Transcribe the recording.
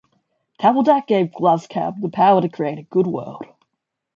Tabaldak gave Gluskab the power to create a good world.